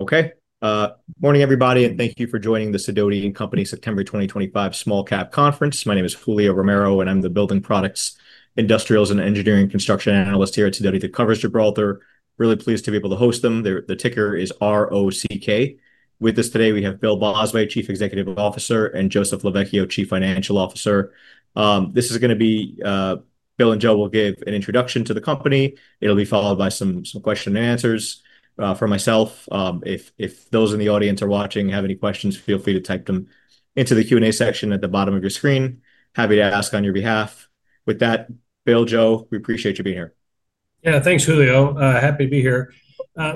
Okay, morning everybody, and thank you for joining the Sidonia Company September 2025 Small Cap Conference. My name is Julio Romero, and I'm the Building Products, Industrials, and Engineering Construction Analyst here at Sidonia that covers Gibraltar Industries. Really pleased to be able to host them. The ticker is ROCK. With us today, we have Bill Bosway, Chief Executive Officer, and Joseph Loughrey, Chief Financial Officer. This is going to be, Bill and Joe will give an introduction to the company. It'll be followed by some question and answers from myself. If those in the audience are watching and have any questions, feel free to type them into the Q&A section at the bottom of your screen. Happy to ask on your behalf. With that, Bill, Joe, we appreciate you being here. Yeah, thanks, Julio. Happy to be here.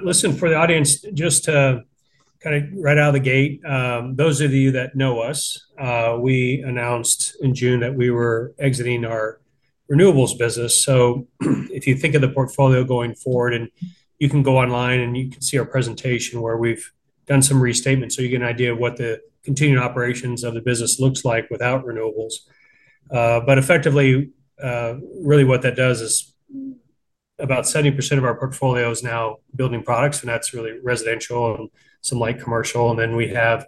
Listen, for the audience, just to kind of right out of the gate, those of you that know us, we announced in June that we were exiting our renewables business. If you think of the portfolio going forward, and you can go online and you can see our presentation where we've done some restatements, you get an idea of what the continued operations of the business looks like without renewables. Effectively, really what that does is about 70% of our portfolio is now building products, and that's really residential and some light commercial. Then we have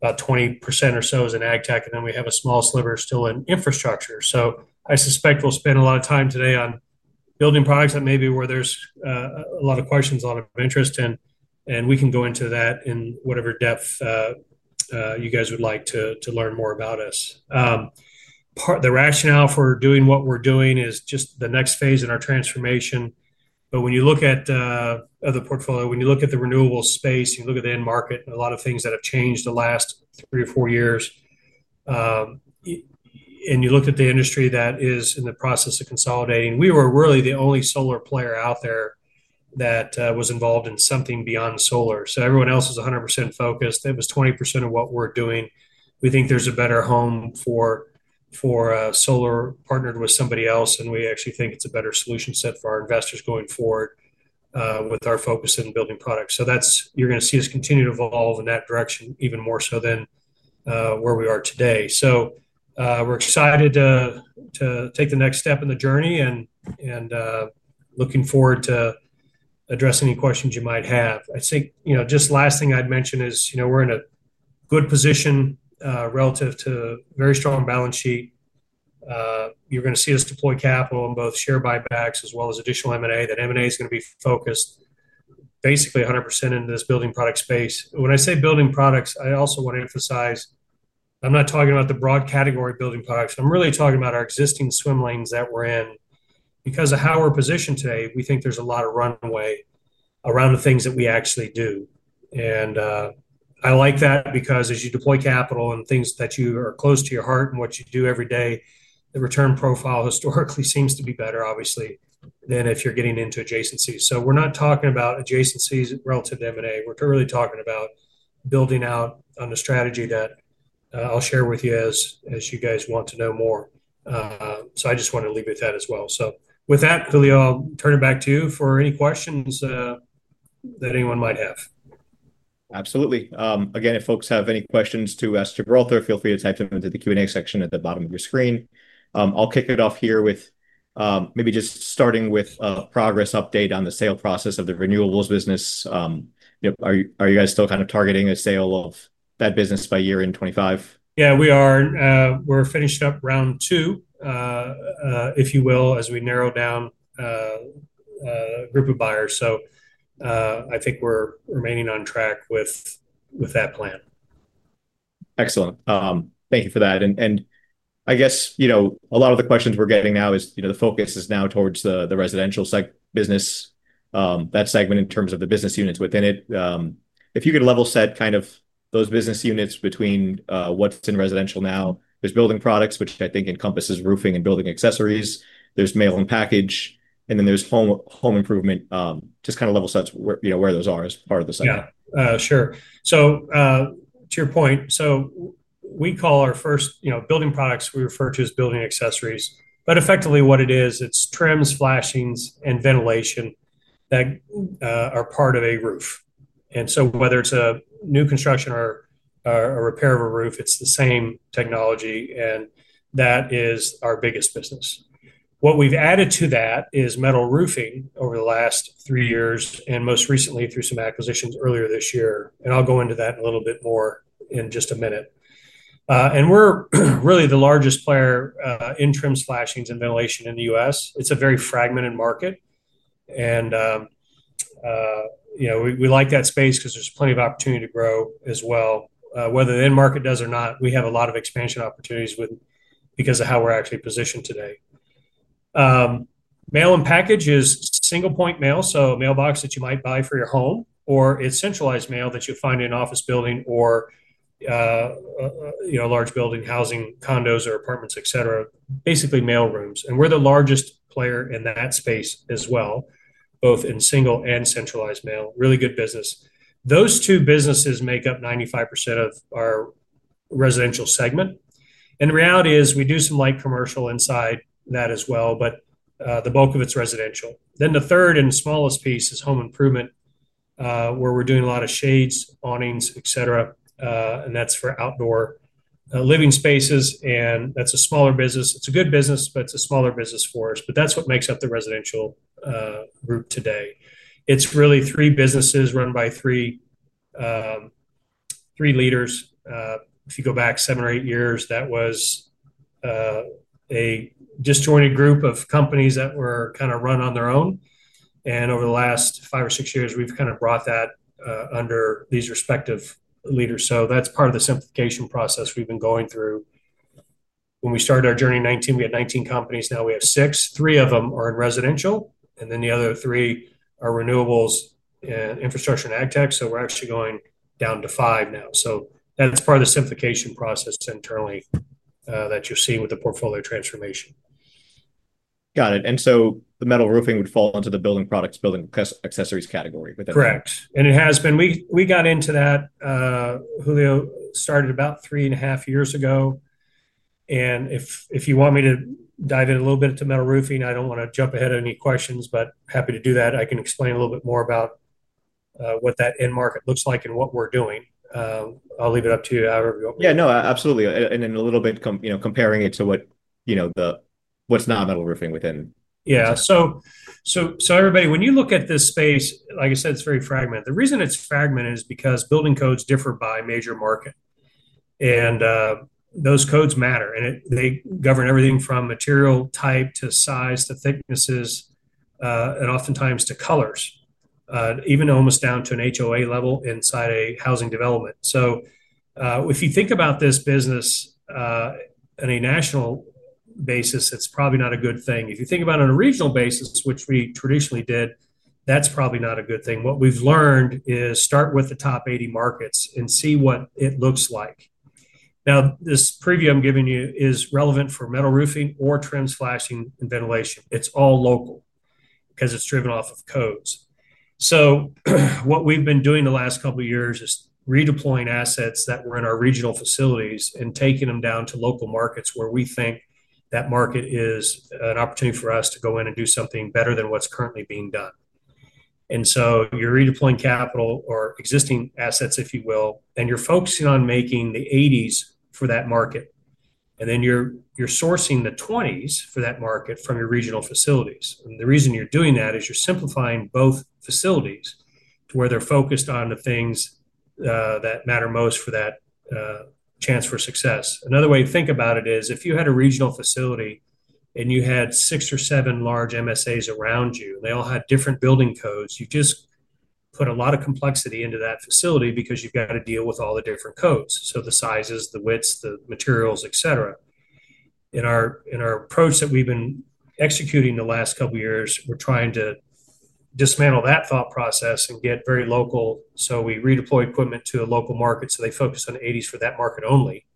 about 20% or so as in agtech, and then we have a small sliver still in infrastructure. I suspect we'll spend a lot of time today on building products. That may be where there's a lot of questions, a lot of interest, and we can go into that in whatever depth you guys would like to learn more about us. Part of the rationale for doing what we're doing is just the next phase in our transformation. When you look at the portfolio, when you look at the renewable space, you look at the end market, a lot of things have changed the last three or four years. You look at the industry that is in the process of consolidating. We were really the only solar player out there that was involved in something beyond solar. Everyone else is 100% focused. That was 20% of what we're doing. We think there's a better home for solar partnered with somebody else, and we actually think it's a better solution set for our investors going forward, with our focus in building products. You're going to see us continue to evolve in that direction even more so than where we are today. We're excited to take the next step in the journey and looking forward to addressing any questions you might have. I think just the last thing I'd mention is we're in a good position, relative to a very strong balance sheet. You're going to see us deploy capital in both share buybacks as well as additional M&A. That M&A is going to be focused basically 100% in this building product space. When I say building products, I also want to emphasize I'm not talking about the broad category of building products. I'm really talking about our existing swim lanes that we're in. Because of how we're positioned today, we think there's a lot of runway around the things that we actually do. I like that because as you deploy capital in things that you are close to your heart and what you do every day, the return profile historically seems to be better, obviously, than if you're getting into adjacencies. We're not talking about adjacencies relative to M&A. We're really talking about building out on the strategy that I'll share with you as you guys want to know more. I just wanted to leave it with that as well. With that, Julio, I'll turn it back to you for any questions that anyone might have. Absolutely. If folks have any questions to Gibraltar, feel free to type them into the Q&A section at the bottom of your screen. I'll kick it off here with maybe just starting with a progress update on the sale process of the renewables business. You know, are you guys still kind of targeting a sale of that business by year end 2025? Yeah, we are. We're finished up round two, if you will, as we narrow down group of buyers. I think we're remaining on track with that plan. Excellent. Thank you for that. I guess, you know, a lot of the questions we're getting now is, you know, the focus is now towards the residential site business. That segment in terms of the business units within it, if you could level set kind of those business units between what's in residential now, there's building products, which I think encompasses roofing and building accessories. There's mail and package, and then there's home improvement. Just kind of level sets where, you know, where those are as part of the segment. Yeah, sure. To your point, we call our first building products "building accessories." Effectively, what it is, it's trims, flashings, and ventilation that are part of a roof. Whether it's a new construction or a repair of a roof, it's the same technology, and that is our biggest business. What we've added to that is metal roofing over the last three years, and most recently through some acquisitions earlier this year. I'll go into that a little bit more in just a minute. We're really the largest player in trims, flashings, and ventilation in the U.S. It's a very fragmented market. We like that space because there's plenty of opportunity to grow as well. Whether the end market does or not, we have a lot of expansion opportunities because of how we're actually positioned today. Mail and package is single point mail, so a mailbox that you might buy for your home, or it's centralized mail that you'll find in an office building or large building housing condos or apartments, basically mail rooms. We're the largest player in that space as well, both in single and centralized mail, really good business. Those two businesses make up 95% of our residential segment. The reality is we do some light commercial inside that as well, but the bulk of it's residential. The third and smallest piece is home improvement, where we're doing a lot of shades, awnings, et cetera, and that's for outdoor living spaces. That's a smaller business. It's a good business, but it's a smaller business for us. That's what makes up the residential group today. It's really three businesses run by three leaders. If you go back seven or eight years, that was a disjointed group of companies that were kind of run on their own. Over the last five or six years, we've kind of brought that under these respective leaders. That's part of the simplification process we've been going through. When we started our journey in 2019, we had 19 companies. Now we have six. Three of them are in residential, and then the other three are renewables, infrastructure, and agtech. We're actually going down to five now. That is part of the simplification process internally that you're seeing with the portfolio transformation. Got it. The metal roofing would fall into the building products, building accessories category within that. Correct. We got into that, Julio, started about three and a half years ago. If you want me to dive in a little bit into metal roofing, I don't want to jump ahead of any questions, but happy to do that. I can explain a little bit more about what that end market looks like and what we're doing. I'll leave it up to you, however you want. Yeah, absolutely. In a little bit, comparing it to what the, what's not metal roofing within. Yeah. Everybody, when you look at this space, like I said, it's very fragmented. The reason it's fragmented is because building codes differ by major market. Those codes matter, and they govern everything from material type to size to thicknesses, and oftentimes to colors, even almost down to an HOA level inside a housing development. If you think about this business, on a national basis, it's probably not a good thing. If you think about it on a regional basis, which we traditionally did, that's probably not a good thing. What we've learned is start with the top 80 markets and see what it looks like. This preview I'm giving you is relevant for metal roofing or trims, flashings, and ventilation. It's all local because it's driven off of codes. What we've been doing the last couple of years is redeploying assets that were in our regional facilities and taking them down to local markets where we think that market is an opportunity for us to go in and do something better than what's currently being done. You're redeploying capital or existing assets, if you will, and you're focusing on making the 80s for that market. Then you're sourcing the 20s for that market from your regional facilities. The reason you're doing that is you're simplifying both facilities to where they're focused on the things that matter most for that chance for success. Another way to think about it is if you had a regional facility and you had six or seven large MSAs around you, and they all had different building codes, you just put a lot of complexity into that facility because you've got to deal with all the different codes, the sizes, the widths, the materials, et cetera. In our approach that we've been executing the last couple of years, we're trying to dismantle that thought process and get very local. We redeploy equipment to a local market so they focus on the 80s for that market only.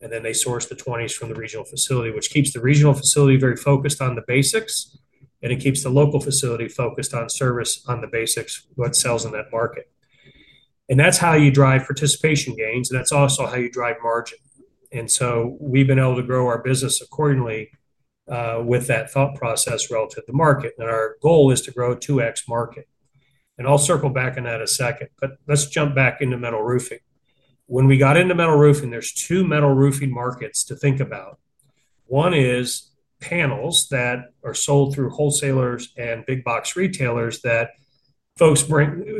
Then they source the 20s from the regional facility, which keeps the regional facility very focused on the basics. It keeps the local facility focused on service on the basics, what sells in that market. That's how you drive participation gains. That's also how you drive margin. We've been able to grow our business accordingly, with that thought process relative to the market. Our goal is to grow 2x market. I'll circle back on that in a second, but let's jump back into metal roofing. When we got into metal roofing, there's two metal roofing markets to think about. One is panels that are sold through wholesalers and big box retailers that folks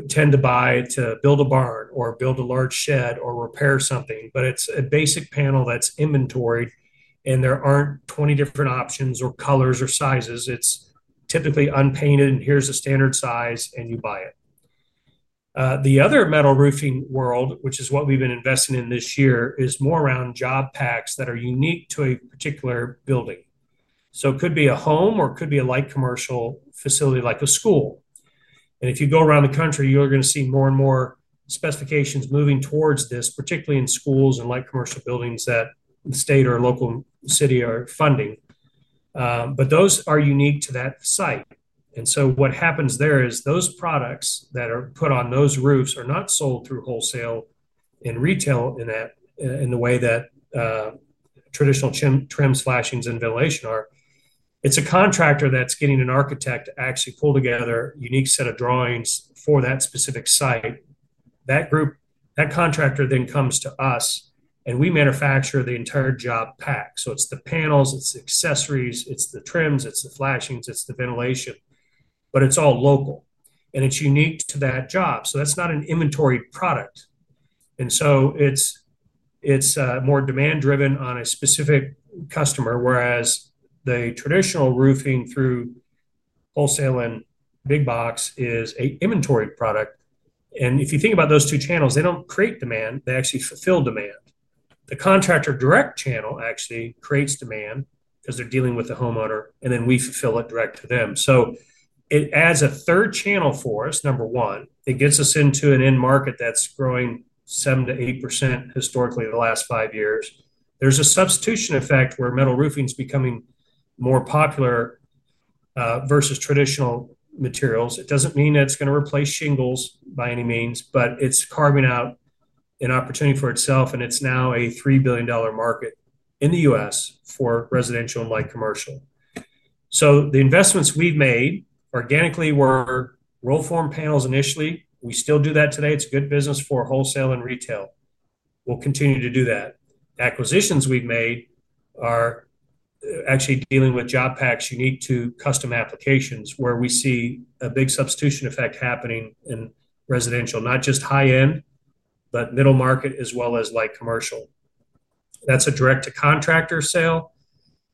tend to buy to build a barn or build a large shed or repair something. It's a basic panel that's inventoried, and there aren't 20 different options or colors or sizes. It's typically unpainted, and here's a standard size, and you buy it. The other metal roofing world, which is what we've been investing in this year, is more around job packs that are unique to a particular building. It could be a home or it could be a light commercial facility like a school. If you go around the country, you're going to see more and more specifications moving towards this, particularly in schools and light commercial buildings that the state or local city are funding. Those are unique to that site. What happens there is those products that are put on those roofs are not sold through wholesale and retail in the way that traditional trims, flashings, and ventilation are. It's a contractor that's getting an architect to actually pull together a unique set of drawings for that specific site. That group, that contractor then comes to us, and we manufacture the entire job pack. It's the panels, it's the accessories, it's the trims, it's the flashings, it's the ventilation, but it's all local, and it's unique to that job. That's not an inventory product. It's more demand driven on a specific customer, whereas the traditional roofing through wholesale and big box is an inventory product. If you think about those two channels, they don't create demand. They actually fulfill demand. The contractor direct channel actually creates demand because they're dealing with the homeowner, and then we fulfill it direct to them. It adds a third channel for us, number one. It gets us into an end market that's growing 7% to 8% historically the last five years. There's a substitution effect where metal roofing is becoming more popular, versus traditional materials. It doesn't mean that it's going to replace shingles by any means, but it's carving out an opportunity for itself, and it's now a $3 billion market in the U.S. for residential and light commercial. The investments we've made organically were roll form panels initially. We still do that today. It's a good business for wholesale and retail. We'll continue to do that. Acquisitions we've made are actually dealing with job packs unique to custom applications where we see a big substitution effect happening in residential, not just high end, but middle market as well as light commercial. That's a direct to contractor sale.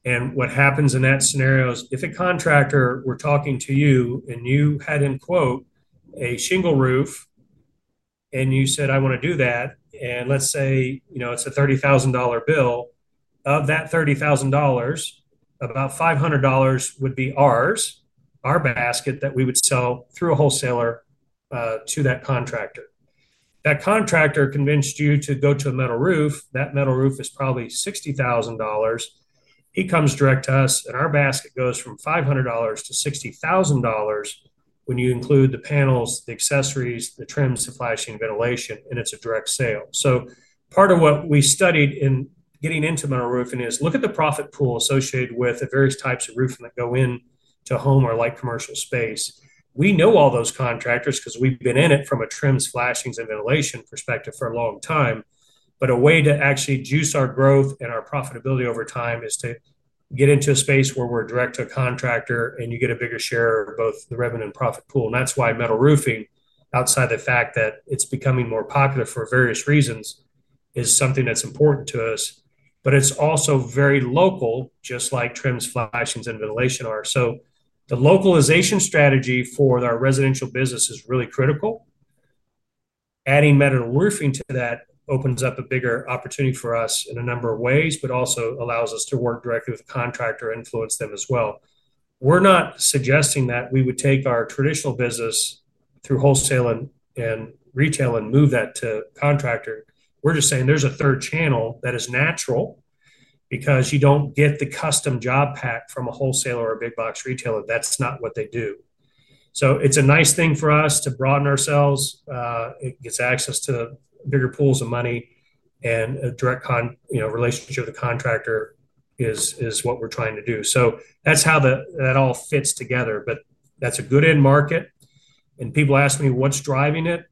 What happens in that scenario is if a contractor, we're talking to you, and you had in quote a shingle roof, and you said, I want to do that. Let's say, you know, it's a $30,000 bill. Of that $30,000, about $500 would be ours, our basket that we would sell through a wholesaler to that contractor. That contractor convinced you to go to a metal roof. That metal roof is probably $60,000. He comes direct to us, and our basket goes from $500 to $60,000 when you include the panels, the accessories, the trims, the flashings, ventilation, and it's a direct sale. Part of what we studied in getting into metal roofing is look at the profit pool associated with the various types of roofing that go into home or light commercial space. We know all those contractors because we've been in it from a trims, flashings, and ventilation perspective for a long time. A way to actually juice our growth and our profitability over time is to get into a space where we're direct to a contractor and you get a bigger share of both the revenue and profit pool. That's why metal roofing, outside the fact that it's becoming more popular for various reasons, is something that's important to us. It's also very local, just like trims, flashings, and ventilation are. The localization strategy for our residential business is really critical. Adding metal roofing to that opens up a bigger opportunity for us in a number of ways, but also allows us to work directly with the contractor and influence them as well. We're not suggesting that we would take our traditional business through wholesale and retail and move that to a contractor. We're just saying there's a third channel that is natural because you don't get the custom job pack from a wholesaler or a big box retailer. That's not what they do. It's a nice thing for us to broaden ourselves. It gets access to bigger pools of money and a direct relationship with the contractor is what we're trying to do. That's how that all fits together. That's a good end market. People ask me, what's driving it?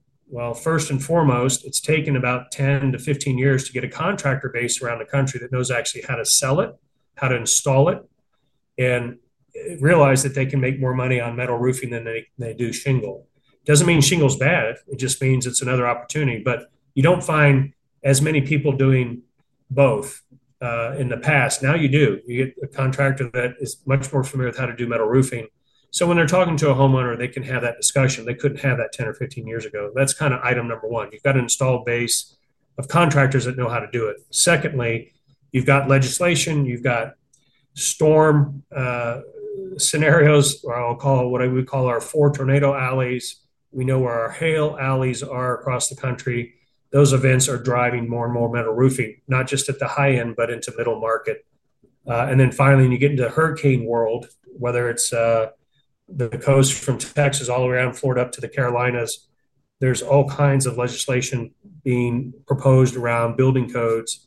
First and foremost, it's taken about 10 to 15 years to get a contractor base around the country that knows actually how to sell it, how to install it, and realize that they can make more money on metal roofing than they do shingle. It doesn't mean shingle's bad. It just means it's another opportunity. You don't find as many people doing both in the past. Now you do. You get a contractor that is much more familiar with how to do metal roofing. When they're talking to a homeowner, they can have that discussion. They couldn't have that 10 or 15 years ago. That's kind of item number one. You've got an installed base of contractors that know how to do it. Secondly, you've got legislation. You've got storm scenarios, or what we call our four tornado alleys. We know where our hail alleys are across the country. Those events are driving more and more metal roofing, not just at the high end, but into middle market. Finally, when you get into the hurricane world, whether it's the coast from Texas all the way around Florida up to the Carolinas, there's all kinds of legislation being proposed around building codes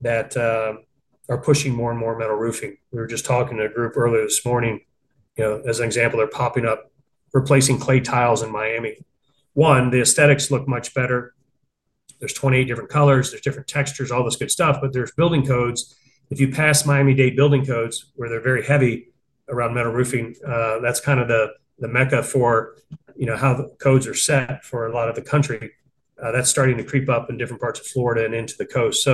that are pushing more and more metal roofing. We were just talking to a group earlier this morning, as an example, they're popping up replacing clay tiles in Miami. One, the aesthetics look much better. There's 28 different colors, there's different textures, all this good stuff, but there's building codes. If you pass Miami-Dade building codes, where they're very heavy around metal roofing, that's kind of the mecca for how the codes are set for a lot of the country. That's starting to creep up in different parts of Florida and into the coast.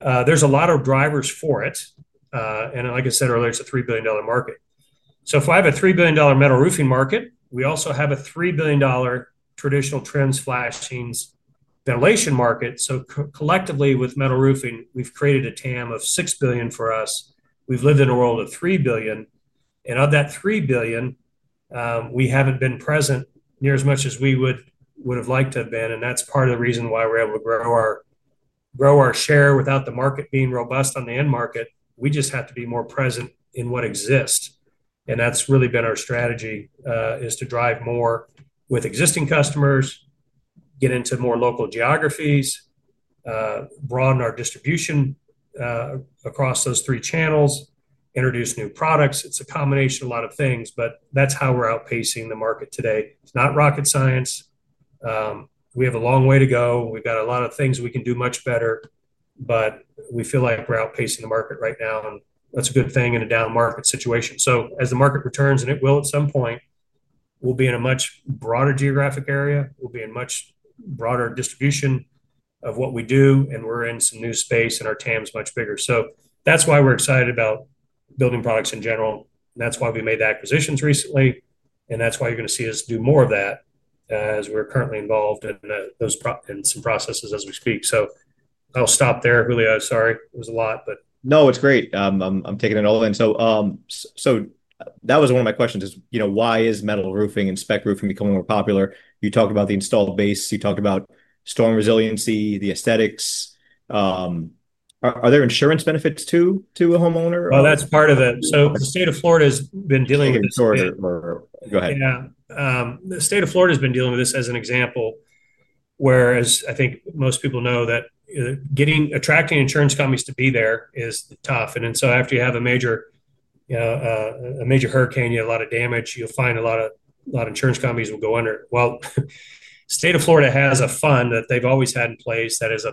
There's a lot of drivers for it. Like I said earlier, it's a $3 billion market. If I have a $3 billion metal roofing market, we also have a $3 billion traditional trims, flashings, ventilation market. Collectively with metal roofing, we've created a total addressable market of $6 billion for us. We've lived in a world of $3 billion. Of that $3 billion, we haven't been present near as much as we would have liked to have been. That's part of the reason why we're able to grow our share without the market being robust on the end market. We just have to be more present in what exists. That's really been our strategy, to drive more with existing customers, get into more local geographies, broaden our distribution across those three channels, and introduce new products. It's a combination of a lot of things, but that's how we're outpacing the market today. It's not rocket science. We have a long way to go. We've got a lot of things we can do much better, but we feel like we're outpacing the market right now. That's a good thing in a down market situation. As the market returns, and it will at some point, we'll be in a much broader geographic area. We'll be in much broader distribution of what we do, and we're in some new space and our total addressable market is much bigger. That's why we're excited about building products in general. That's why we made the acquisitions recently. That's why you're going to see us do more of that as we're currently involved in those and some processes as we speak. I'll stop there, Julio. Sorry, it was a lot, but. It's great. I'm taking it all in. That was one of my questions, you know, why is metal roofing and spec roofing becoming more popular? You talk about the installed base. You talked about storm resiliency, the aesthetics. Are there insurance benefits too, to a homeowner? That's part of it. The state of Florida has been dealing with. Sorry, go ahead. Yeah. The state of Florida has been dealing with this as an example, whereas I think most people know that attracting insurance companies to be there is tough. After you have a major, you know, a major hurricane, you have a lot of damage, you'll find a lot of insurance companies will go under. The state of Florida has a fund that they've always had in place that is a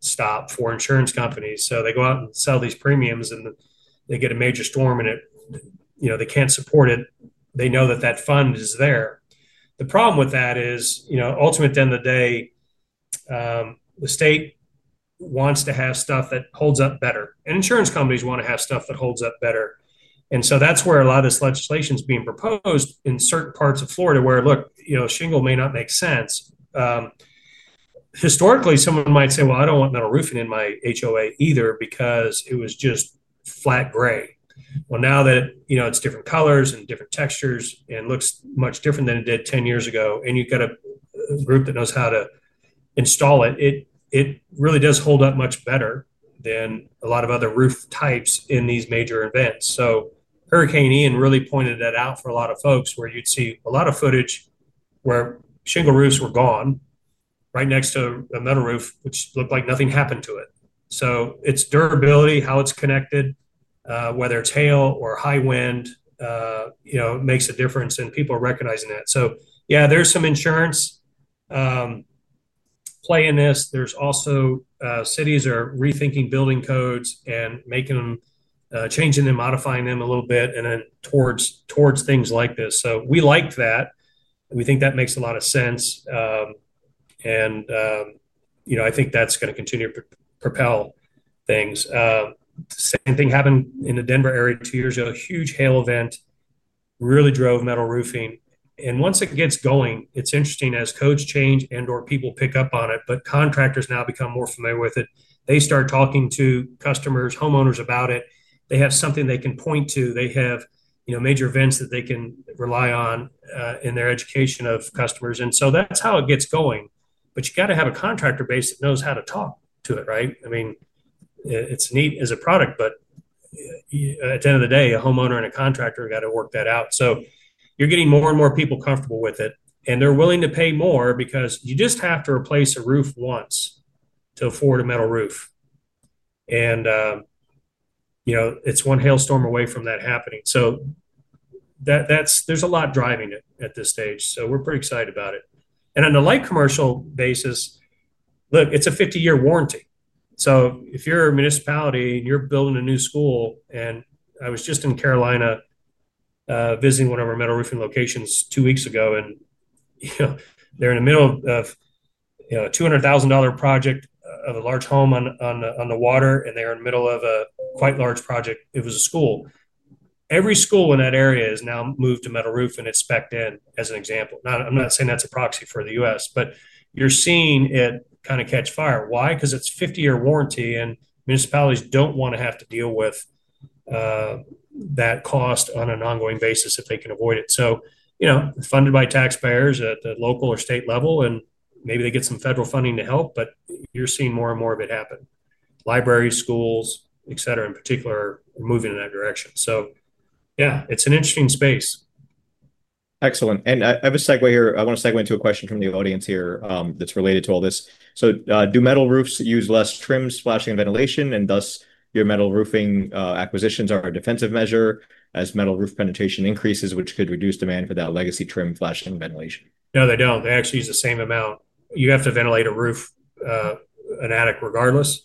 backstop for insurance companies. They go out and sell these premiums and they get a major storm and it, you know, they can't support it. They know that that fund is there. The problem with that is, you know, ultimately at the end of the day, the state wants to have stuff that holds up better. Insurance companies want to have stuff that holds up better. That's where a lot of this legislation is being proposed in certain parts of Florida where, look, you know, shingle may not make sense. Historically, someone might say, I don't want metal roofing in my HOA either because it was just flat gray. Now that, you know, it's different colors and different textures and looks much different than it did 10 years ago, and you've got a group that knows how to install it, it really does hold up much better than a lot of other roof types in these major events. Hurricane Ian really pointed that out for a lot of folks where you'd see a lot of footage where shingle roofs were gone right next to a metal roof, which looked like nothing happened to it. It's durability, how it's connected, whether it's hail or high wind, you know, it makes a difference and people are recognizing that. Yeah, there's some insurance play in this. Also, cities are rethinking building codes and making them, changing them, modifying them a little bit towards things like this. We liked that. We think that makes a lot of sense. You know, I think that's going to continue to propel things. Same thing happened in the Denver area two years ago. A huge hail event really drove metal roofing. Once it gets going, it's interesting as codes change and or people pick up on it, but contractors now become more familiar with it. They start talking to customers, homeowners about it. They have something they can point to. They have, you know, major events that they can rely on in their education of customers. That's how it gets going. You got to have a contractor base that knows how to talk to it, right? I mean, it's neat as a product, but at the end of the day, a homeowner and a contractor got to work that out. You're getting more and more people comfortable with it, and they're willing to pay more because you just have to replace a roof once to afford a metal roof. You know, it's one hailstorm away from that happening. There's a lot driving it at this stage. We're pretty excited about it. On the light commercial basis, look, it's a 50-year warranty. If you're a municipality and you're building a new school, I was just in the Carolinas visiting one of our metal roofing locations two weeks ago, and they're in the middle of a $200,000 project of a large home on the water, and they're in the middle of a quite large project. It was a school. Every school in that area has now moved to metal roof and it's spec'd in as an example. I'm not saying that's a proxy for the U.S., but you're seeing it kind of catch fire. Why? Because it's a 50-year warranty and municipalities don't want to have to deal with that cost on an ongoing basis if they can avoid it. It's funded by taxpayers at the local or state level, and maybe they get some federal funding to help, but you're seeing more and more of it happen. Libraries, schools, et cetera, in particular, are moving in that direction. Yeah, it's an interesting space. Excellent. I have a segue here. I want to segue into a question from the audience here that's related to all this. Do metal roofs use less trims, flashings, and ventilation, and thus your metal roofing acquisitions are a defensive measure as metal roof penetration increases, which could reduce demand for that legacy trim, flashings, and ventilation? No, they don't. They actually use the same amount. You have to ventilate a roof, an attic regardless.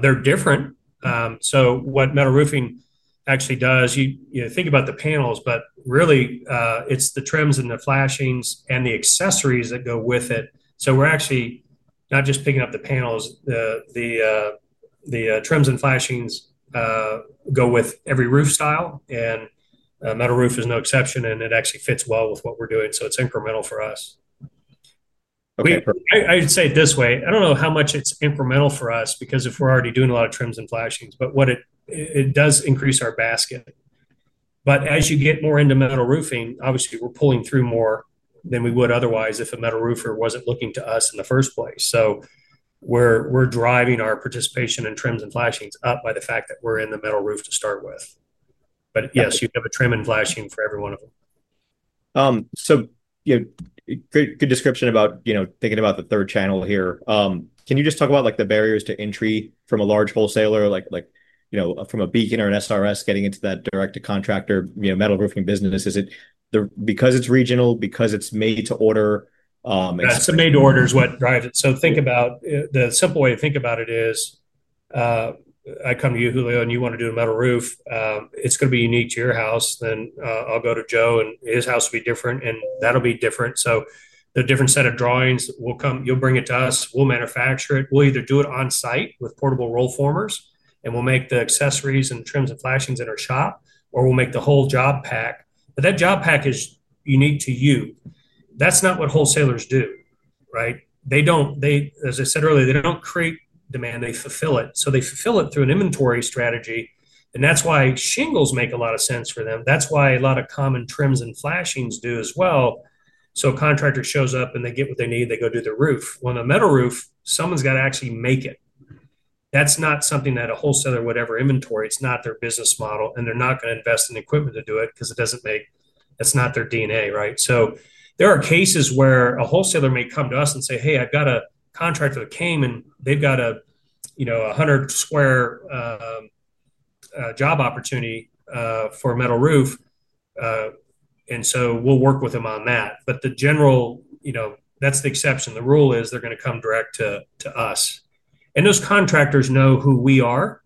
They're different. What metal roofing actually does, you know, think about the panels, but really, it's the trims and the flashings and the accessories that go with it. We're actually not just picking up the panels, the trims and flashings go with every roof style, and a metal roof is no exception, and it actually fits well with what we're doing. It's incremental for us. Okay. I'd say it this way. I don't know how much it's incremental for us because if we're already doing a lot of trims and flashings, what it does is increase our basket. As you get more into metal roofing, obviously we're pulling through more than we would otherwise if a metal roofer wasn't looking to us in the first place. We're driving our participation in trims and flashings up by the fact that we're in the metal roof to start with. Yes, you have a trim and flashing for every one of them. Good description about thinking about the third channel here. Can you just talk about the barriers to entry from a large wholesaler, like from a Beacon or an SRS, getting into that direct-to-contractor metal roofing business? Is it because it's regional, because it's made to order? It's made to order is what drives it. Think about the simple way to think about it: I come to you, Julio, and you want to do a metal roof. It's going to be unique to your house. Then, I'll go to Joe and his house will be different, and that'll be different. A different set of drawings will come, you'll bring it to us, we'll manufacture it, we'll either do it on site with portable roll formers, and we'll make the accessories and trims and flashings in our shop, or we'll make the whole job pack. That job pack is unique to you. That's not what wholesalers do, right? They don't, as I said earlier, create demand, they fulfill it. They fulfill it through an inventory strategy. That's why shingles make a lot of sense for them. That's why a lot of common trims and flashings do as well. A contractor shows up and they get what they need, they go do their roof. With the metal roof, someone's got to actually make it. That's not something that a wholesaler would ever inventory. It's not their business model, and they're not going to invest in equipment to do it because it doesn't make it. That's not their DNA, right? There are cases where a wholesaler may come to us and say, "Hey, I've got a contractor that came and they've got a, you know, a hundred square job opportunity for a metal roof," and we'll work with them on that. The general, you know, that's the exception. The rule is they're going to come direct to us. Those contractors know who we are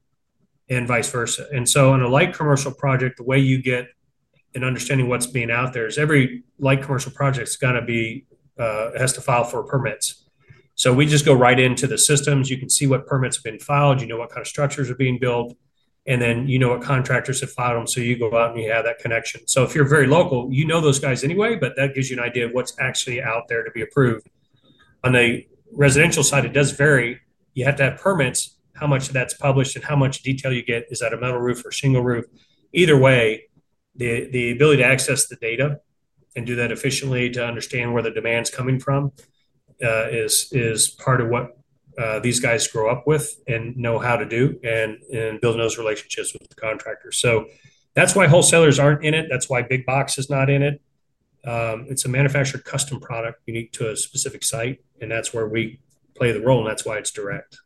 and vice versa. On a light commercial project, the way you get an understanding of what's being out there is every light commercial project has to file for permits. We just go right into the systems. You can see what permits have been filed. You know what kind of structures are being built. You know what contractors have filed them. You go out and you have that connection. If you're very local, you know those guys anyway, but that gives you an idea of what's actually out there to be approved. On the residential side, it does vary. You have to have permits. How much of that's published and how much detail you get—Is that a metal roof or a shingle roof? Either way, the ability to access the data and do that efficiently to understand where the demand's coming from is part of what these guys grow up with and know how to do, and building those relationships with the contractors. That's why wholesalers aren't in it. That's why big box is not in it. It's a manufactured custom product unique to a specific site. That's where we play the role, and that's why it's direct.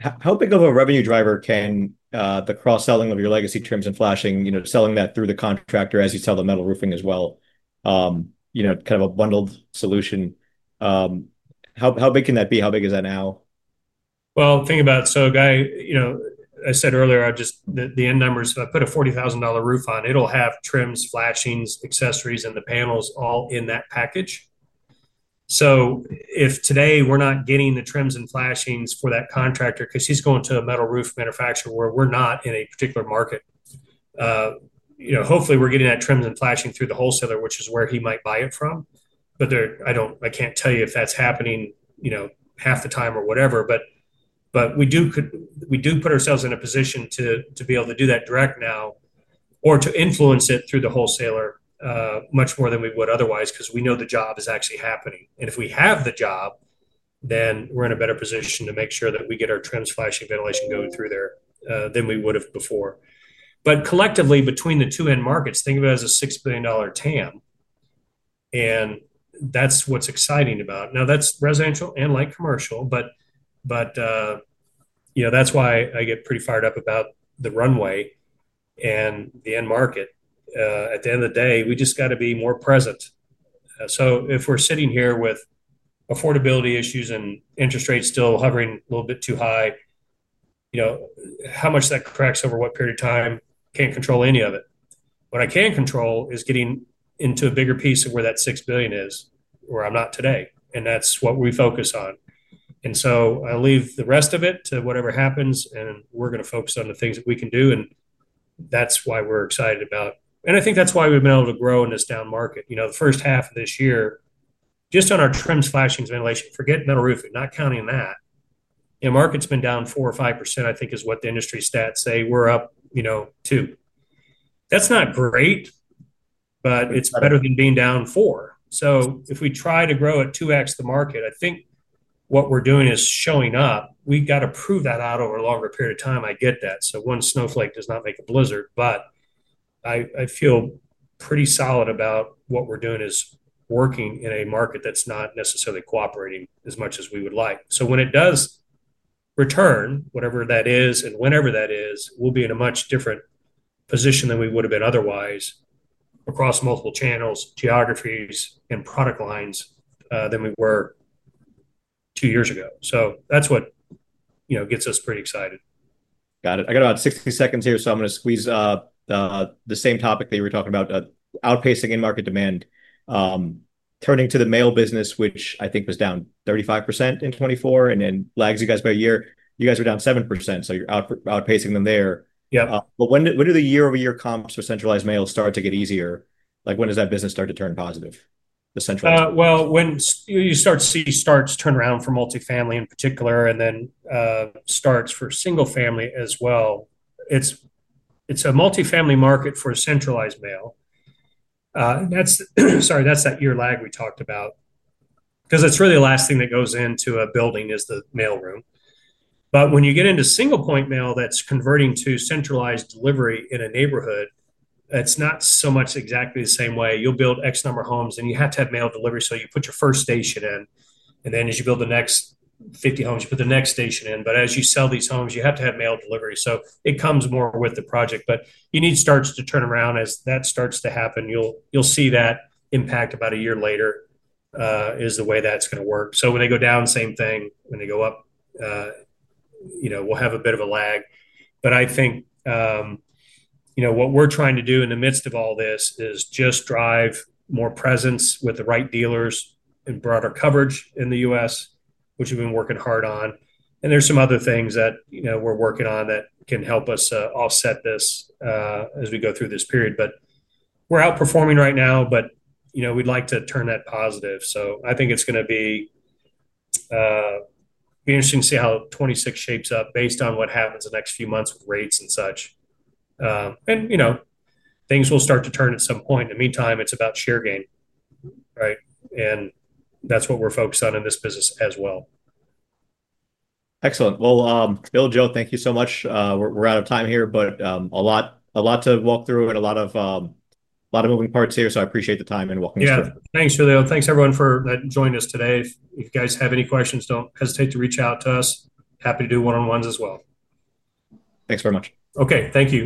How big of a revenue driver can the cross-selling of your legacy trims and flashings, you know, selling that through the contractor as you sell the metal roofing as well? You know, kind of a bundled solution. How big can that be? How big is that now? Think about it. A guy, you know, I said earlier, I just, the end numbers, if I put a $40,000 roof on, it'll have trims, flashings, accessories, and the panels all in that package. If today we're not getting the trims and flashings for that contractor, because he's going to a metal roof manufacturer where we're not in a particular market, hopefully we're getting that trims and flashing through the wholesaler, which is where he might buy it from. I can't tell you if that's happening half the time or whatever, but we do put ourselves in a position to be able to do that direct now or to influence it through the wholesaler much more than we would otherwise, because we know the job is actually happening. If we have the job, then we're in a better position to make sure that we get our trims, flashing, ventilation going through there than we would have before. Collectively, between the two end markets, think of it as a $6 billion total addressable market. That's what's exciting about it. That's residential and light commercial, but that's why I get pretty fired up about the runway and the end market. At the end of the day, we just got to be more present. If we're sitting here with affordability issues and interest rates still hovering a little bit too high, how much that cracks over what period of time, can't control any of it. What I can control is getting into a bigger piece of where that $6 billion is, where I'm not today. That's what we focus on. I leave the rest of it to whatever happens, and we're going to focus on the things that we can do. That's why we're excited about, and I think that's why we've been able to grow in this down market. The first half of this year, just on our trims, flashings, ventilation, forget metal roofing, not counting that. The market's been down 4 or 5%, I think is what the industry stats say. We're up, you know, 2%. That's not great, but it's better than being down 4%. If we try to grow at 2x the market, I think what we're doing is showing up. We've got to prove that out over a longer period of time. I get that. One snowflake does not make a blizzard, but I feel pretty solid about what we're doing is working in a market that's not necessarily cooperating as much as we would like. When it does return, whatever that is, and whenever that is, we'll be in a much different position than we would have been otherwise across multiple channels, geographies, and product lines than we were two years ago. That's what gets us pretty excited. I got about 60 seconds here. I'm going to squeeze the same topic that you were talking about, outpacing in market demand, turning to the mail business, which I think was down 35% in 2024, and then lags you guys by a year. You guys were down 7%. You're outpacing them there. Yeah. When do the year-over-year comps for centralized mail start to get easier? When does that business start to turn positive? When you start to see starts turn around for multifamily in particular, and then starts for single family as well, it's a multifamily market for centralized mail. That's that ear lag we talked about, because that's really the last thing that goes into a building is the mail room. When you get into single point mail that's converting to centralized delivery in a neighborhood, it's not exactly the same way. You'll build X number of homes and you have to have mail delivery, so you put your first station in, and then as you build the next 50 homes, you put the next station in. As you sell these homes, you have to have mail delivery, so it comes more with the project, but you need starts to turn around as that starts to happen. You'll see that impact about a year later, is the way that's going to work. When they go down, same thing, when they go up, we'll have a bit of a lag. I think what we're trying to do in the midst of all this is just drive more presence with the right dealers and broader coverage in the U.S., which we've been working hard on. There are some other things that we're working on that can help us offset this as we go through this period. We're outperforming right now, but we'd like to turn that positive. I think it's going to be interesting to see how 2026 shapes up based on what happens in the next few months with rates and such, and things will start to turn at some point. In the meantime, it's about share gain, right? That's what we're focused on in this business as well. Excellent. Bill, Joe, thank you so much. We're out of time here, but a lot to walk through and a lot of moving parts here. I appreciate the time and walking us through. Yeah, thanks, Julio. Thanks everyone for joining us today. If you guys have any questions, don't hesitate to reach out to us. Happy to do one-on-ones as well. Thanks very much. Okay, thank you.